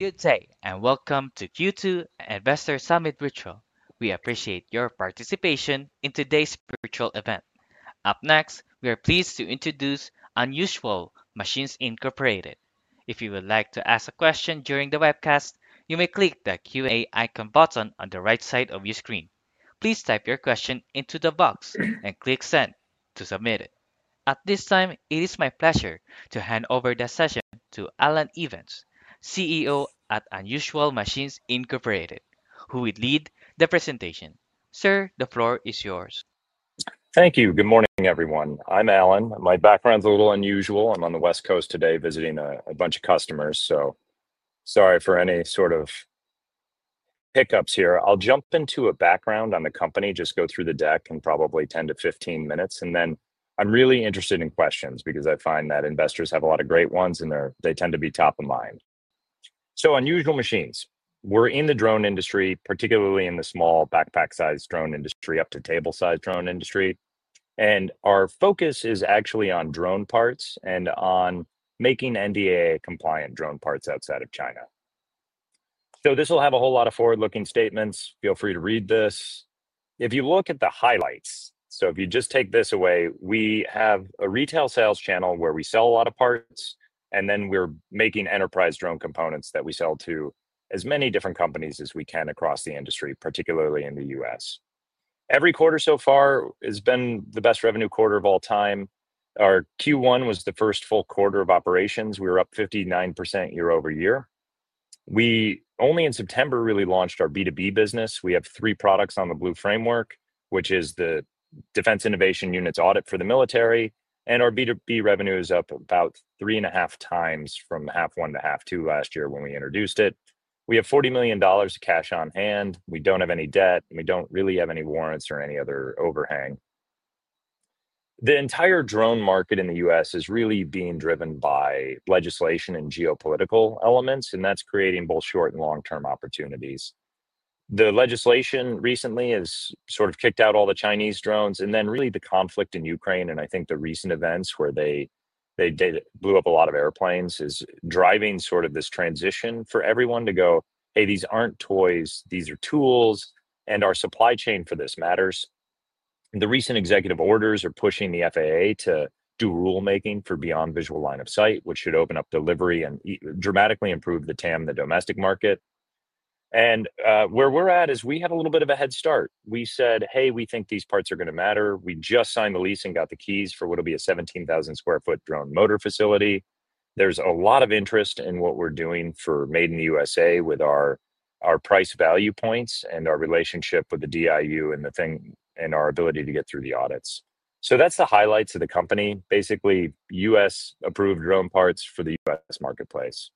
Good day, and welcome to Q2 Investor Summit Virtual. We appreciate your participation in today's virtual event. Up next, we are pleased to introduce Unusual Machines Incorporated. If you would like to ask a question during the webcast, you may click the Q&A icon button on the right side of your screen. Please type your question into the box and click send to submit it. At this time, it is my pleasure to hand over the session to Allan Evans, CEO at Unusual Machines Incorporated, who will lead the presentation. Sir, the floor is yours. Thank you. Good morning, everyone. I'm Allan. My background's a little unusual. I'm on the West Coast today visiting a bunch of customers, so sorry for any sort of hiccups here. I'll jump into a background on the company, just go through the deck in probably 10 minutes to 15 minutes. I am really interested in questions because I find that investors have a lot of great ones, and they tend to be top of mind. Unusual Machines, we're in the drone industry, particularly in the small backpack-sized drone industry up to table-sized drone industry. Our focus is actually on drone parts and on making NDA compliant drone parts outside of China. This will have a whole lot of forward-looking statements. Feel free to read this. If you look at the highlights, if you just take this away, we have a retail sales channel where we sell a lot of parts, and then we're making enterprise drone components that we sell to as many different companies as we can across the industry, particularly in the U.S. Every quarter so far has been the best revenue quarter of all time. Our Q1 was the first full quarter of operations. We were up 59% year-over-year. We only in September really launched our B2B business. We have three products on the Blue framework, which is the Defense Innovation Unit's audit for the military. Our B2B revenue is up about 3.5 times from half one to half two last year when we introduced it. We have $40 million of cash on hand. We don't have any debt. We don't really have any warrants or any other overhang. The entire drone market in the U.S. is really being driven by legislation and geopolitical elements, and that's creating both short and long-term opportunities. The legislation recently has sort of kicked out all the Chinese drones. The conflict in Ukraine and I think the recent events where they blew up a lot of airplanes is driving sort of this transition for everyone to go, "Hey, these aren't toys. These are tools, and our supply chain for this matters." The recent executive orders are pushing the FAA to do rulemaking for beyond visual line of sight, which should open up delivery and dramatically improve the TAM, the domestic market. Where we're at is we had a little bit of a head start. We said, "Hey, we think these parts are going to matter." We just signed the lease and got the keys for what'll be a 17,000 sq ft drone motor facility. There's a lot of interest in what we're doing for Made in the U.S.A. with our price value points and our relationship with the DIU and our ability to get through the audits. That's the highlights of the company. Basically, U.S.-approved drone parts for the U.S. marketplace.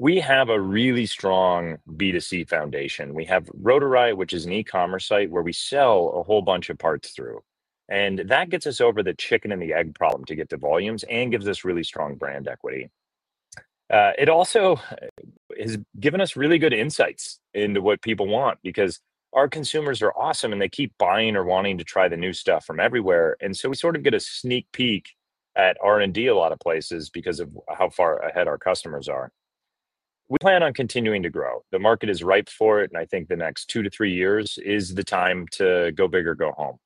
We have a really strong B2C foundation. We have Rotor Riot, which is an e-commerce site where we sell a whole bunch of parts through. That gets us over the chicken and the egg problem to get the volumes and gives us really strong brand equity. It also has given us really good insights into what people want because our consumers are awesome, and they keep buying or wanting to try the new stuff from everywhere. We sort of get a sneak peek at R&D a lot of places because of how far ahead our customers are. We plan on continuing to grow. The market is ripe for it, and I think the next two to three years is the time to go big or go home.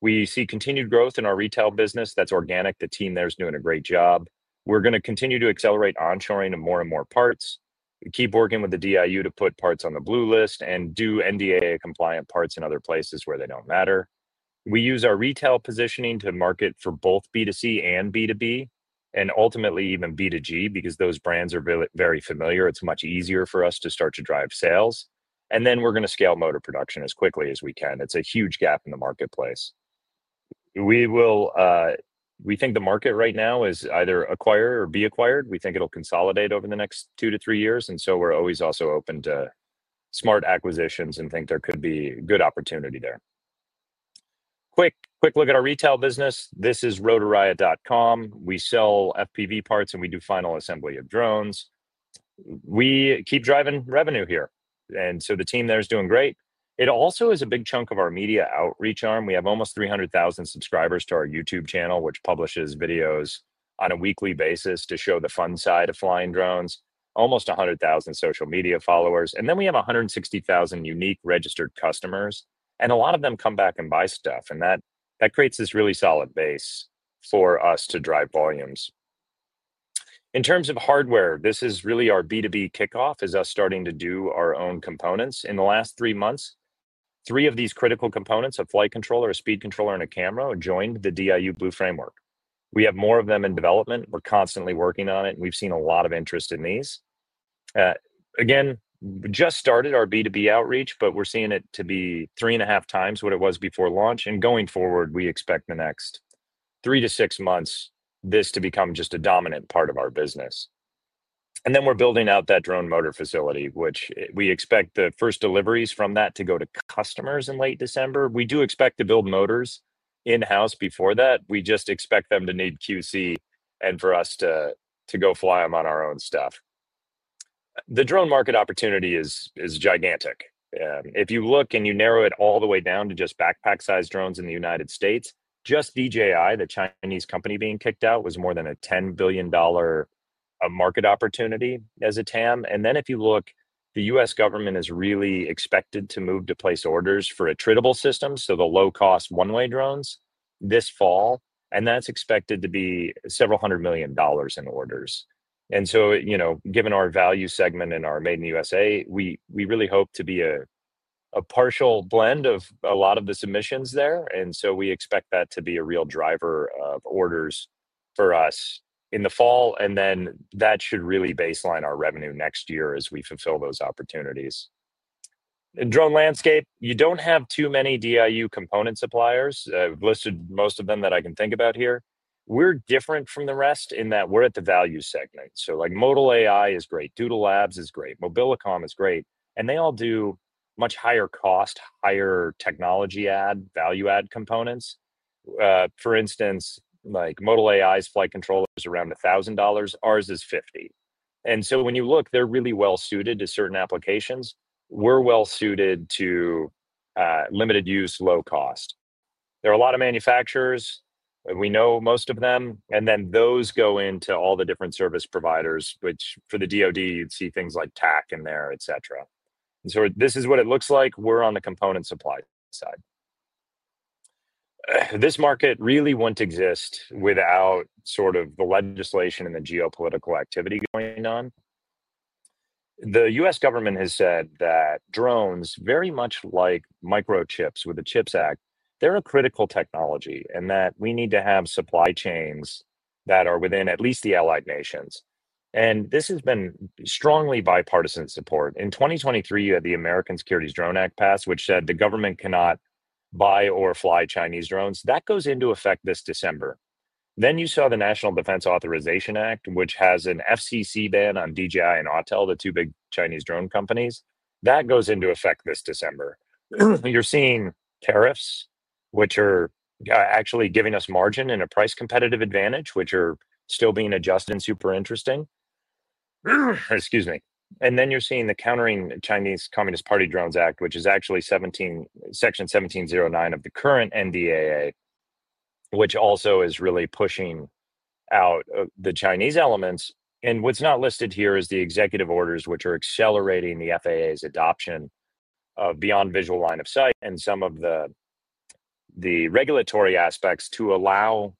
We see continued growth in our retail business. That is organic. The team there is doing a great job. We are going to continue to accelerate on-shoring of more and more parts. We keep working with the DIU to put parts on the Blue list and do NDA compliant parts in other places where they do not matter. We use our retail positioning to market for both B2C and B2B, and ultimately even B2G because those brands are very familiar. It's much easier for us to start to drive sales. We are going to scale motor production as quickly as we can. It's a huge gap in the marketplace. We think the market right now is either acquire or be acquired. We think it'll consolidate over the next two to three years. We are always also open to smart acquisitions and think there could be good opportunity there. Quick look at our retail business. This is rotorriot.com. We sell FPV parts, and we do final assembly of drones. We keep driving revenue here. The team there is doing great. It also is a big chunk of our media outreach arm. We have almost 300,000 subscribers to our YouTube channel, which publishes videos on a weekly basis to show the fun side of flying drones, almost 100,000 social media followers. We have 160,000 unique registered customers. A lot of them come back and buy stuff. That creates this really solid base for us to drive volumes. In terms of hardware, this is really our B2B kickoff as us starting to do our own components. In the last three months, three of these critical components, a flight controller, a speed controller, and a camera joined the DIU Blue framework. We have more of them in development. We're constantly working on it. We've seen a lot of interest in these. We just started our B2B outreach, but we're seeing it to be three and a half times what it was before launch. Going forward, we expect the next three to six months this to become just a dominant part of our business. We are building out that drone motor facility, which we expect the first deliveries from that to go to customers in late December. We do expect to build motors in-house before that. We just expect them to need QC and for us to go fly them on our own stuff. The drone market opportunity is gigantic. If you look and you narrow it all the way down to just backpack-sized drones in the United States, just DJI, the Chinese company being kicked out, was more than a $10 billion market opportunity as a TAM. If you look, the U.S. government is really expected to move to place orders for a Tridable system, so the low-cost one-way drones, this fall. That's expected to be several hundred million dollars in orders. Given our value segment and our Made in the U.S.A., we really hope to be a partial blend of a lot of the submissions there. We expect that to be a real driver of orders for us in the fall. That should really baseline our revenue next year as we fulfill those opportunities. In drone landscape, you do not have too many DIU component suppliers. I have listed most of them that I can think about here. We are different from the rest in that we are at the value segment. Like ModalAI is great. Doodle Labs is great. Mobilicom is great. They all do much higher cost, higher technology add, value add components. For instance, ModalAI's flight controller is around $1,000. Ours is $50. When you look, they're really well-suited to certain applications. We're well-suited to limited use, low cost. There are a lot of manufacturers. We know most of them. Those go into all the different service providers, which for the DoD, you'd see things like TAC in there, et cetera. This is what it looks like. We're on the component supply side. This market really wouldn't exist without sort of the legislation and the geopolitical activity going on. The U.S. government has said that drones, very much like microchips with the CHIPS Act, are a critical technology and that we need to have supply chains that are within at least the Allied Nations. This has been strongly bipartisan support. In 2023, you had the American Security Drone Act passed, which said the government cannot buy or fly Chinese drones. That goes into effect this December. You saw the National Defense Authorization Act, which has an FCC ban on DJI and Autel, the two big Chinese drone companies. That goes into effect this December. You're seeing tariffs, which are actually giving us margin and a price competitive advantage, which are still being adjusted and super interesting. Excuse me. You're seeing the Countering Chinese Communist Party Drones Act, which is actually Section 1709 of the current NDAA, which also is really pushing out the Chinese elements. What's not listed here is the executive orders, which are accelerating the FAA's adoption of beyond visual line of sight and some of the regulatory aspects to allow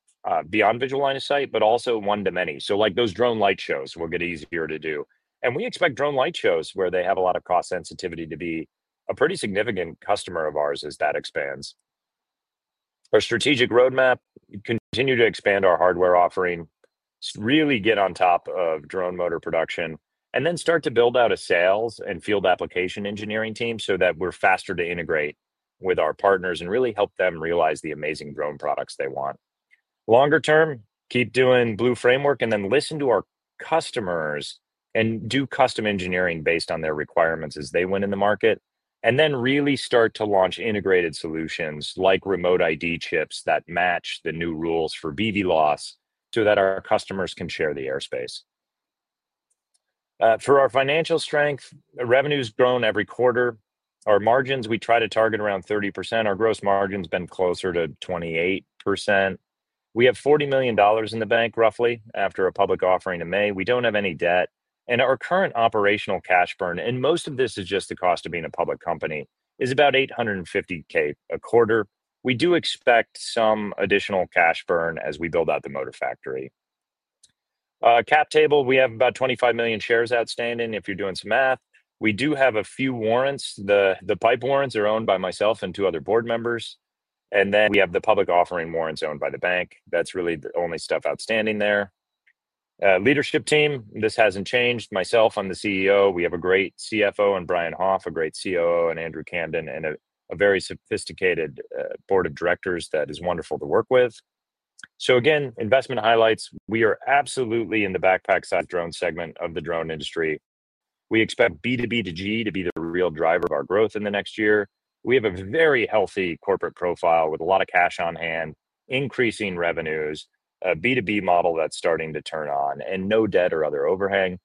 beyond visual line of sight, but also one to many. Like those drone light shows will get easier to do. We expect drone light shows where they have a lot of cost sensitivity to be a pretty significant customer of ours as that expands. Our strategic roadmap is to continue to expand our hardware offering, really get on top of drone motor production, and then start to build out a sales and field application engineering team so that we're faster to integrate with our partners and really help them realize the amazing drone products they want. Longer term, keep doing blue framework and then listen to our customers and do custom engineering based on their requirements as they win in the market. Really start to launch integrated solutions like remote ID chips that match the new rules for BVLOS so that our customers can share the airspace. For our financial strength, revenue has grown every quarter. Our margins, we try to target around 30%. Our gross margin's been closer to 28%. We have $40 million in the bank roughly after a public offering in May. We don't have any debt. Our current operational cash burn, and most of this is just the cost of being a public company, is about $850,000 a quarter. We do expect some additional cash burn as we build out the motor factory. Cap table, we have about 25 million shares outstanding if you're doing some math. We do have a few warrants. The pipe warrants are owned by myself and two other board members. We have the public offering warrants owned by the bank. That's really the only stuff outstanding there. Leadership team, this hasn't changed. Myself, I'm the CEO. We have a great CFO in Brian Hoff, a great COO in Andrew Camden, and a very sophisticated board of directors that is wonderful to work with. Again, investment highlights, we are absolutely in the backpack-sized drone segment of the drone industry. We expect B2B to B2G to be the real driver of our growth in the next year. We have a very healthy corporate profile with a lot of cash on hand, increasing revenues, a B2B model that's starting to turn on, and no debt or other overhang.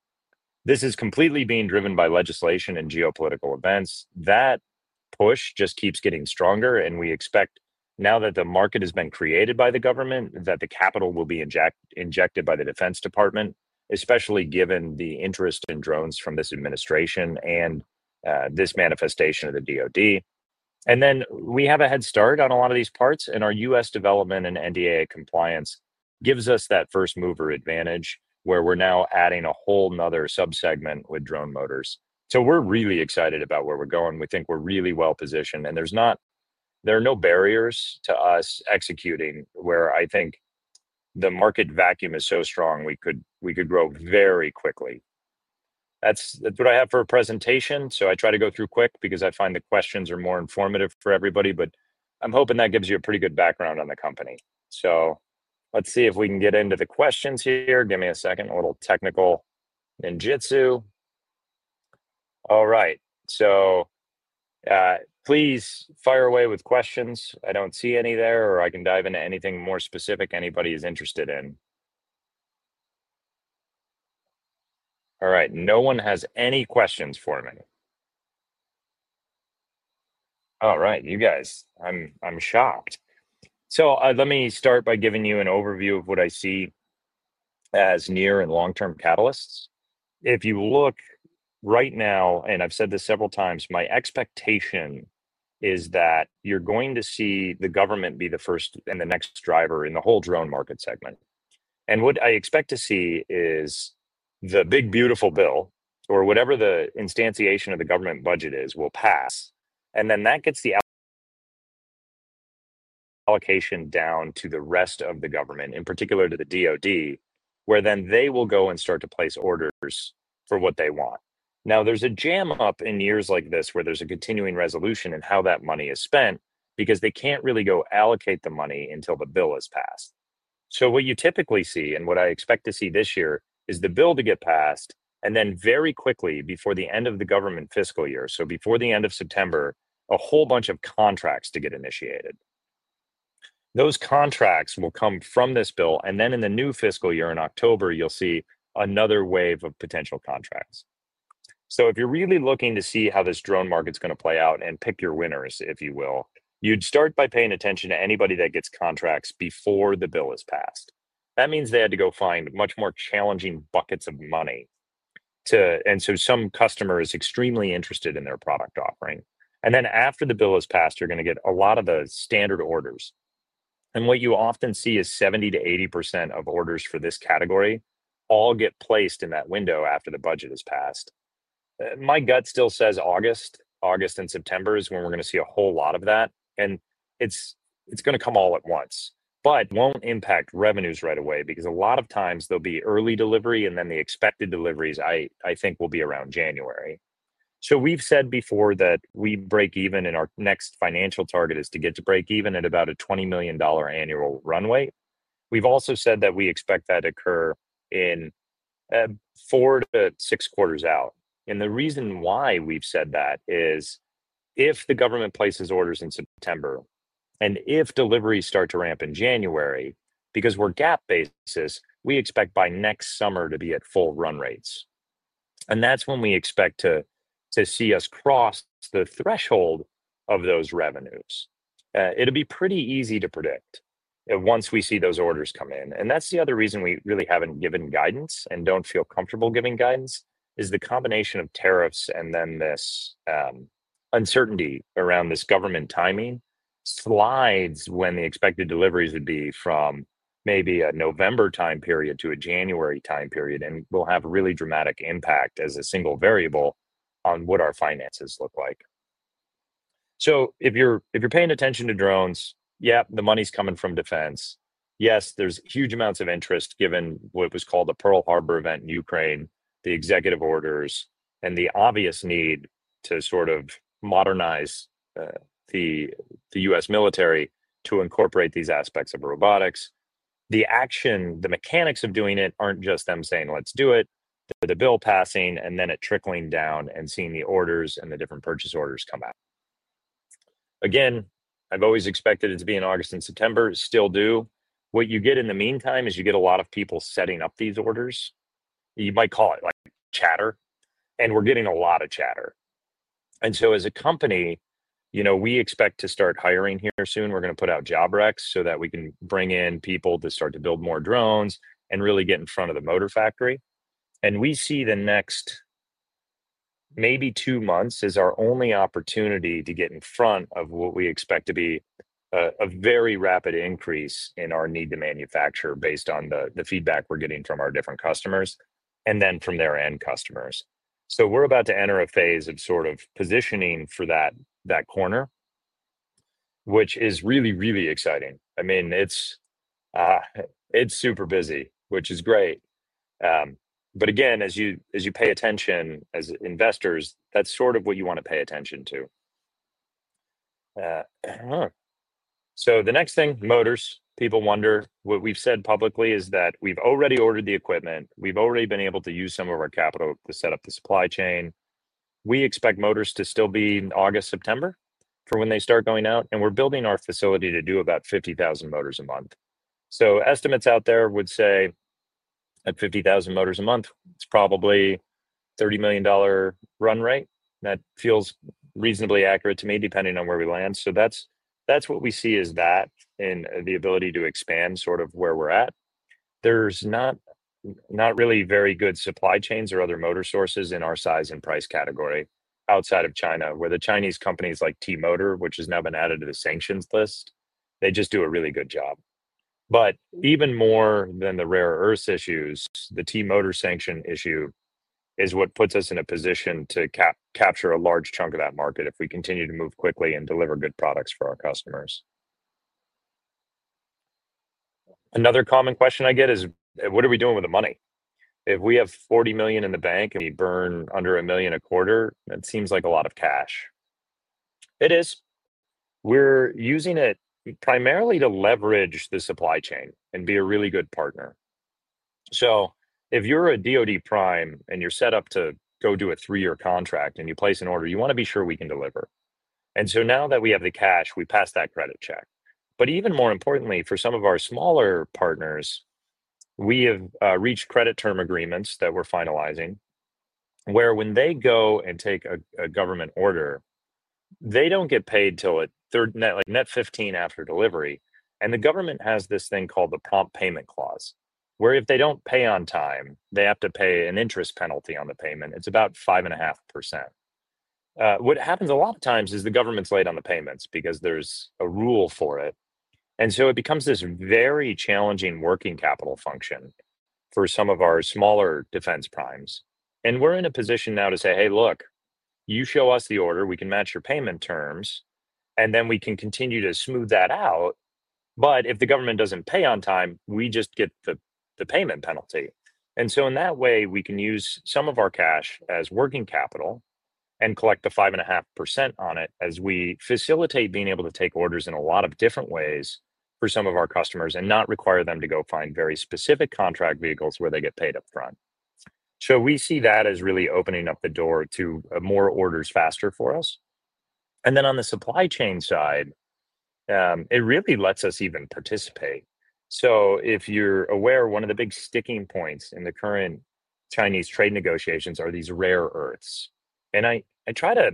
This is completely being driven by legislation and geopolitical events. That push just keeps getting stronger. We expect now that the market has been created by the government, that the capital will be injected by the Defense Department, especially given the interest in drones from this administration and this manifestation of the DoD. We have a head start on a lot of these parts. Our U.S. development and NDA compliance gives us that first mover advantage where we're now adding a whole nother subsegment with drone motors. We're really excited about where we're going. We think we're really well positioned. There are no barriers to us executing where I think the market vacuum is so strong, we could grow very quickly. That's what I have for a presentation. I try to go through quick because I find the questions are more informative for everybody. I'm hoping that gives you a pretty good background on the company. Let's see if we can get into the questions here. Give me a second. A little technical ninjutsu. All right. Please fire away with questions. I don't see any there, or I can dive into anything more specific anybody is interested in. All right. No one has any questions for me. All right. You guys, I'm shocked. Let me start by giving you an overview of what I see as near and long-term catalysts. If you look right now, and I've said this several times, my expectation is that you're going to see the government be the first and the next driver in the whole drone market segment. What I expect to see is the big beautiful bill or whatever the instantiation of the government budget is will pass. That gets the allocation down to the rest of the government, in particular to the DoD, where then they will go and start to place orders for what they want. Now, there's a jam up in years like this where there's a continuing resolution in how that money is spent because they can't really go allocate the money until the bill is passed. What you typically see, and what I expect to see this year, is the bill to get passed and then very quickly before the end of the government fiscal year, so before the end of September, a whole bunch of contracts to get initiated. Those contracts will come from this bill. In the new fiscal year in October, you'll see another wave of potential contracts. If you're really looking to see how this drone market's going to play out and pick your winners, if you will, you'd start by paying attention to anybody that gets contracts before the bill is passed. That means they had to go find much more challenging buckets of money. And so some customer is extremely interested in their product offering. Then after the bill is passed, you're going to get a lot of the standard orders. What you often see is 70%-80% of orders for this category all get placed in that window after the budget is passed. My gut still says August. August and September is when we're going to see a whole lot of that. It's going to come all at once. It won't impact revenues right away because a lot of times there'll be early delivery and then the expected deliveries, I think, will be around January. We've said before that we break even and our next financial target is to get to break even at about a $20 million annual runway. We've also said that we expect that to occur in four to six quarters out. The reason why we've said that is if the government places orders in September and if deliveries start to ramp in January, because we're GAAP basis, we expect by next summer to be at full run rates. That's when we expect to see us cross the threshold of those revenues. It'll be pretty easy to predict once we see those orders come in. That's the other reason we really haven't given guidance and don't feel comfortable giving guidance is the combination of tariffs and then this uncertainty around this government timing slides when the expected deliveries would be from maybe a November time period to a January time period. It will have a really dramatic impact as a single variable on what our finances look like. If you're paying attention to drones, yep, the money's coming from defense. Yes, there's huge amounts of interest given what was called the Pearl Harbor event in Ukraine, the executive orders, and the obvious need to sort of modernize the U.S. military to incorporate these aspects of robotics. The action, the mechanics of doing it aren't just them saying, "Let's do it." The bill passing and then it trickling down and seeing the orders and the different purchase orders come out. Again, I've always expected it to be in August and September. Still do. What you get in the meantime is you get a lot of people setting up these orders. You might call it chatter. We're getting a lot of chatter. As a company, we expect to start hiring here soon. We're going to put out job recs so that we can bring in people to start to build more drones and really get in front of the motor factory. We see the next maybe two months as our only opportunity to get in front of what we expect to be a very rapid increase in our need to manufacture based on the feedback we're getting from our different customers and then from their end customers. We're about to enter a phase of sort of positioning for that corner, which is really, really exciting. I mean, it's super busy, which is great. Again, as you pay attention as investors, that's sort of what you want to pay attention to. The next thing, motors. People wonder what we've said publicly is that we've already ordered the equipment. We've already been able to use some of our capital to set up the supply chain. We expect motors to still be in August, September for when they start going out. We're building our facility to do about 50,000 motors a month. Estimates out there would say at 50,000 motors a month, it's probably $30 million run rate. That feels reasonably accurate to me depending on where we land. That's what we see is that and the ability to expand sort of where we're at. There's not really very good supply chains or other motor sources in our size and price category outside of China where the Chinese companies like T-MOTOR, which has now been added to the sanctions list, they just do a really good job. Even more than the rare earth issues, the T-MOTOR sanction issue is what puts us in a position to capture a large chunk of that market if we continue to move quickly and deliver good products for our customers. Another common question I get is, "What are we doing with the money?" If we have $40 million in the bank and we burn under $1 million a quarter, that seems like a lot of cash. It is. We're using it primarily to leverage the supply chain and be a really good partner. If you're a DoD Prime and you're set up to go do a three-year contract and you place an order, you want to be sure we can deliver. Now that we have the cash, we pass that credit check. Even more importantly, for some of our smaller partners, we have reached credit term agreements that we're finalizing where when they go and take a government order, they don't get paid till net 15 after delivery. The government has this thing called the prompt payment clause where if they don't pay on time, they have to pay an interest penalty on the payment. It's about 5.5%. What happens a lot of times is the government's late on the payments because there's a rule for it. It becomes this very challenging working capital function for some of our smaller defense primes. We're in a position now to say, "Hey, look, you show us the order, we can match your payment terms, and then we can continue to smooth that out. If the government doesn't pay on time, we just get the payment penalty. In that way, we can use some of our cash as working capital and collect the 5.5% on it as we facilitate being able to take orders in a lot of different ways for some of our customers and not require them to go find very specific contract vehicles where they get paid upfront. We see that as really opening up the door to more orders faster for us. On the supply chain side, it really lets us even participate. If you're aware, one of the big sticking points in the current Chinese trade negotiations are these rare earths. I try to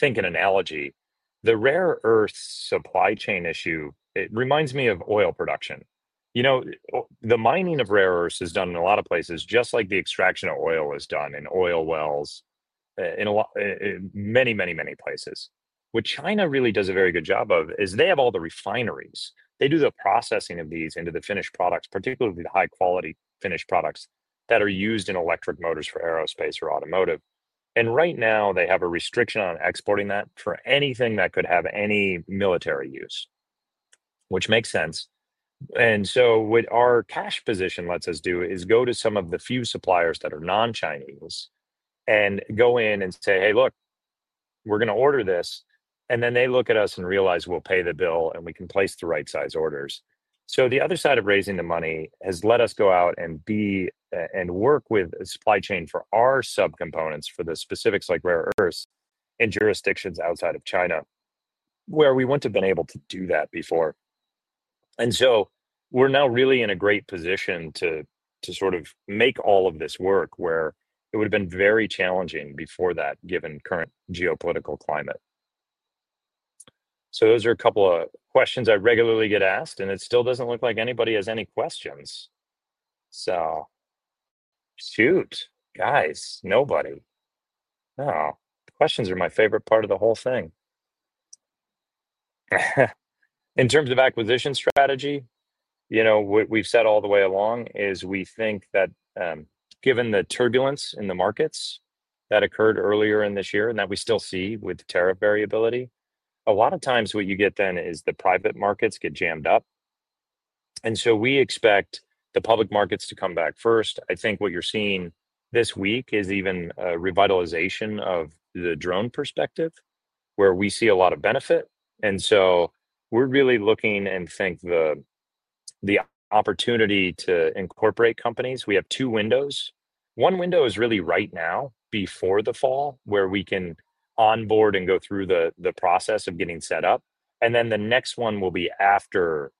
think an analogy. The rare earths supply chain issue, it reminds me of oil production. The mining of rare earth is done in a lot of places, just like the extraction of oil is done in oil wells in many, many places. What China really does a very good job of is they have all the refineries. They do the processing of these into the finished products, particularly the high-quality finished products that are used in electric motors for aerospace or automotive. Right now, they have a restriction on exporting that for anything that could have any military use, which makes sense. What our cash position lets us do is go to some of the few suppliers that are non-Chinese and go in and say, "Hey, look, we're going to order this." Then they look at us and realize we'll pay the bill and we can place the right size orders. The other side of raising the money has let us go out and work with supply chain for our subcomponents for the specifics like rare earths in jurisdictions outside of China where we wouldn't have been able to do that before. We're now really in a great position to sort of make all of this work where it would have been very challenging before that given current geopolitical climate. Those are a couple of questions I regularly get asked, and it still doesn't look like anybody has any questions. Shoot, guys, nobody. Questions are my favorite part of the whole thing. In terms of acquisition strategy, what we've said all the way along is we think that given the turbulence in the markets that occurred earlier in this year and that we still see with tariff variability, a lot of times what you get then is the private markets get jammed up. We expect the public markets to come back first. I think what you're seeing this week is even a revitalization of the drone perspective where we see a lot of benefit. We are really looking and think the opportunity to incorporate companies. We have two windows. One window is really right now before the fall where we can onboard and go through the process of getting set up. The next one will be after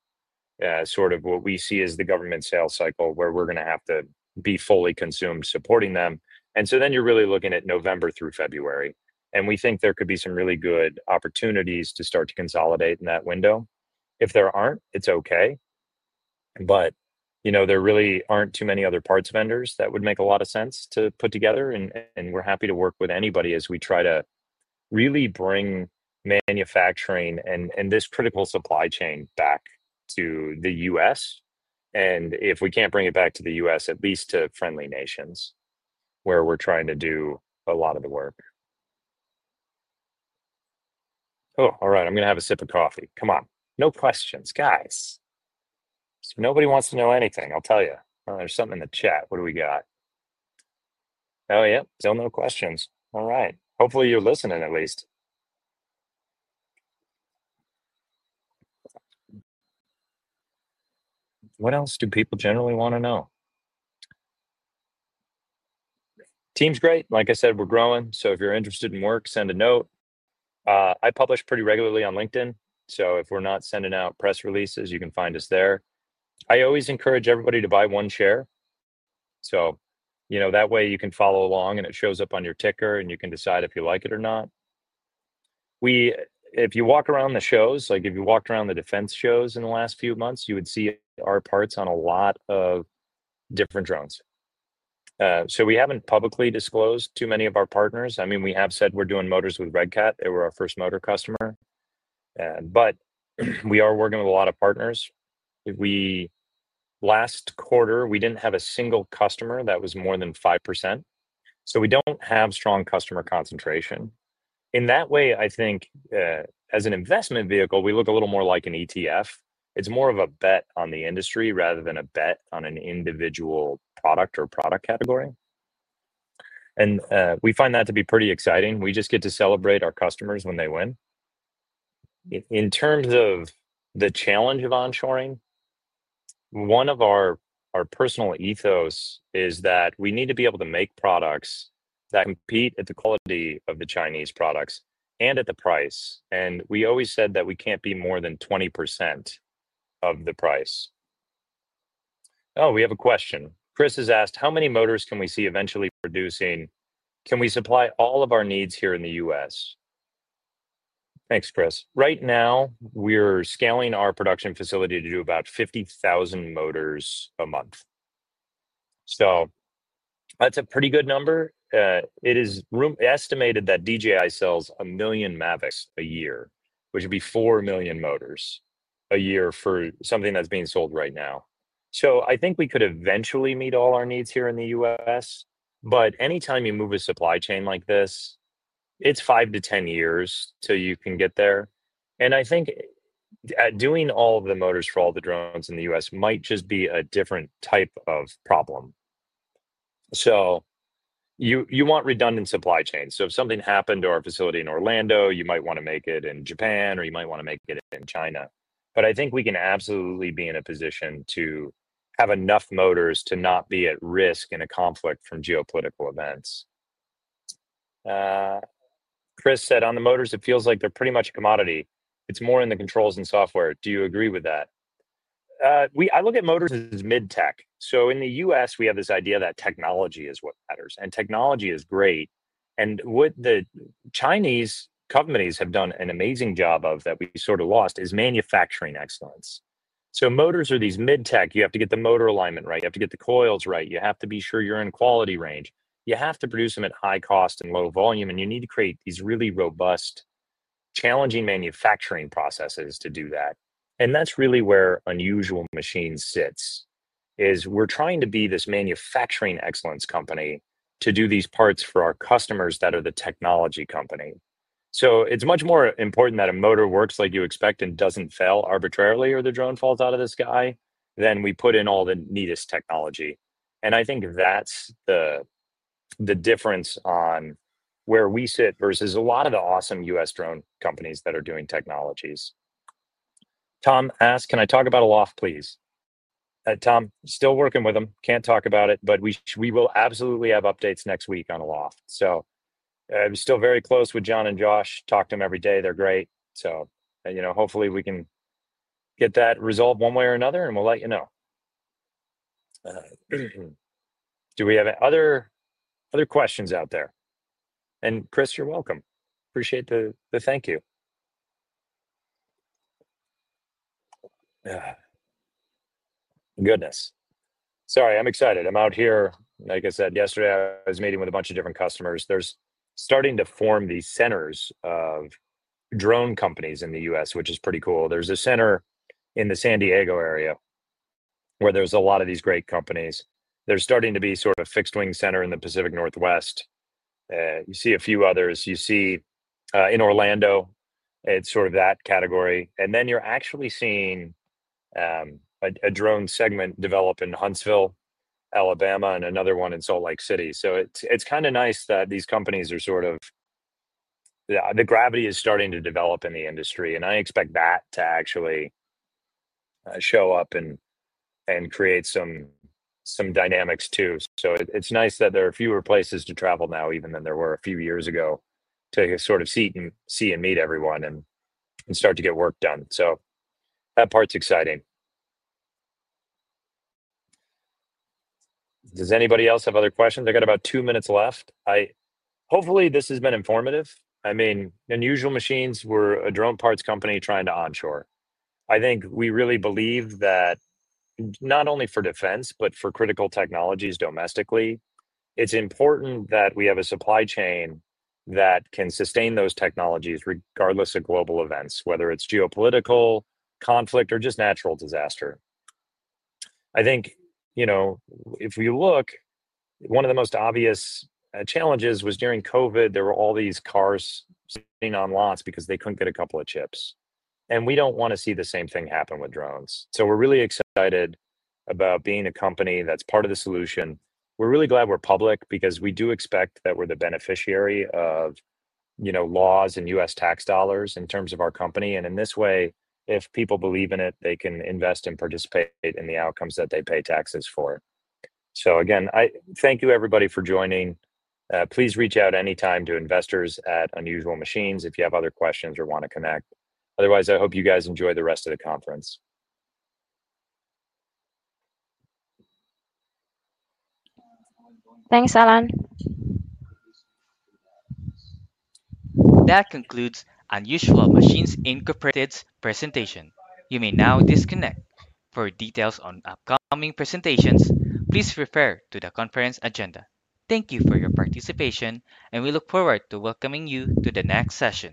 sort of what we see as the government sales cycle where we're going to have to be fully consumed supporting them. You are really looking at November through February. We think there could be some really good opportunities to start to consolidate in that window. If there are not, it is okay. There really are not too many other parts vendors that would make a lot of sense to put together. We are happy to work with anybody as we try to really bring manufacturing and this critical supply chain back to the U.S. If we cannot bring it back to the U.S., at least to friendly nations where we are trying to do a lot of the work. Oh, all right. I am going to have a sip of coffee. Come on. No questions, guys. Nobody wants to know anything. I'll tell you. There's something in the chat. What do we got? Oh, yep. Still no questions. All right. Hopefully, you're listening at least. What else do people generally want to know? Team's great. Like I said, we're growing. If you're interested in work, send a note. I publish pretty regularly on LinkedIn. If we're not sending out press releases, you can find us there. I always encourage everybody to buy one share. That way you can follow along and it shows up on your ticker and you can decide if you like it or not. If you walk around the shows, like if you walked around the defense shows in the last few months, you would see our parts on a lot of different drones. We haven't publicly disclosed too many of our partners. I mean, we have said we're doing motors with Red Cat. They were our first motor customer. We are working with a lot of partners. Last quarter, we did not have a single customer that was more than 5%. We do not have strong customer concentration. In that way, I think as an investment vehicle, we look a little more like an ETF. It is more of a bet on the industry rather than a bet on an individual product or product category. We find that to be pretty exciting. We just get to celebrate our customers when they win. In terms of the challenge of onshoring, one of our personal ethos is that we need to be able to make products that compete at the quality of the Chinese products and at the price. We always said that we cannot be more than 20% of the price. Oh, we have a question. Chris has asked, "How many motors can we see eventually producing? Can we supply all of our needs here in the U.S.?" Thanks, Chris. Right now, we're scaling our production facility to do about 50,000 motors a month. That's a pretty good number. It is estimated that DJI sells a million Mavics a year, which would be 4 million motors a year for something that's being sold right now. I think we could eventually meet all our needs here in the U.S. Anytime you move a supply chain like this, it's five-10 years till you can get there. I think doing all of the motors for all the drones in the U.S. might just be a different type of problem. You want redundant supply chain. If something happened to our facility in Orlando, you might want to make it in Japan, or you might want to make it in China. I think we can absolutely be in a position to have enough motors to not be at risk in a conflict from geopolitical events. Chris said, "On the motors, it feels like they're pretty much a commodity. It's more in the controls and software." Do you agree with that? I look at motors as mid-tech. In the U.S., we have this idea that technology is what matters. Technology is great. What the Chinese companies have done an amazing job of that we sort of lost is manufacturing excellence. Motors are these mid-tech. You have to get the motor alignment right. You have to get the coils right. You have to be sure you're in quality range. You have to produce them at high cost and low volume. You need to create these really robust, challenging manufacturing processes to do that. That is really where Unusual Machines sits, is we're trying to be this manufacturing excellence company to do these parts for our customers that are the technology company. It is much more important that a motor works like you expect and does not fail arbitrarily or the drone falls out of the sky than we put in all the neatest technology. I think that is the difference on where we sit versus a lot of the awesome U.S. drone companies that are doing technologies. Tom asked, "Can I talk about Aloft, please?" Tom, still working with them. Cannot talk about it, but we will absolutely have updates next week on Aloft. I am still very close with Jon and Josh. Talk to them every day. They're great. Hopefully we can get that resolved one way or another, and we'll let you know. Do we have other questions out there? Chris, you're welcome. Appreciate the thank you. Goodness. Sorry, I'm excited. I'm out here. Like I said, yesterday, I was meeting with a bunch of different customers. There's starting to form these centers of drone companies in the U.S., which is pretty cool. There's a center in the San Diego area where there's a lot of these great companies. There's starting to be sort of a fixed-wing center in the Pacific Northwest. You see a few others. You see in Orlando, it's sort of that category. You're actually seeing a drone segment develop in Huntsville, Alabama, and another one in Salt Lake City. It's kind of nice that these companies are sort of, the gravity is starting to develop in the industry. I expect that to actually show up and create some dynamics too. It's nice that there are fewer places to travel now even than there were a few years ago to sort of see and meet everyone and start to get work done. That part's exciting. Does anybody else have other questions? I got about two minutes left. Hopefully, this has been informative. I mean, Unusual Machines, we're a drone parts company trying to onshore. I think we really believe that not only for defense, but for critical technologies domestically, it's important that we have a supply chain that can sustain those technologies regardless of global events, whether it's geopolitical, conflict, or just natural disaster. I think if we look, one of the most obvious challenges was during COVID, there were all these cars sitting on lots because they could not get a couple of chips. We do not want to see the same thing happen with drones. We are really excited about being a company that is part of the solution. We are really glad we are public because we do expect that we are the beneficiary of laws and U.S. tax dollars in terms of our company. In this way, if people believe in it, they can invest and participate in the outcomes that they pay taxes for. Again, thank you, everybody, for joining. Please reach out anytime to investors at Unusual Machines if you have other questions or want to connect. Otherwise, I hope you guys enjoy the rest of the conference. Thanks, Allan. That concludes Unusual Machines Incorporated's presentation. You may now disconnect. For details on upcoming presentations, please refer to the conference agenda. Thank you for your participation, and we look forward to welcoming you to the next session.